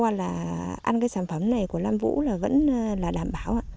các thành viên của hợp tác xã nam vũ vẫn đảm bảo